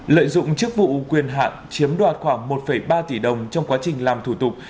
lợi dụng chức vụ quyền hạn chiếm đoạt khoảng một ba tỷ đồng trong quá trình làm thủ tục